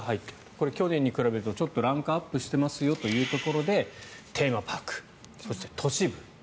これは去年に比べるとちょっとランクアップしてますよというところでテーマパークそして都市部。